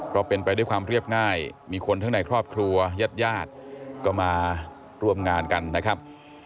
ก็เป็นไปด้วยความเรียบง่ายมีคนทั้งในครอบครัวยาดก็มาร่วมงานกันนะครับ